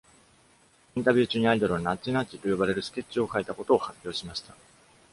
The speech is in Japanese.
インタビュー中に、アイドルは「ナッジナッジ」と呼ばれるスケッチを書いたことを発表しました。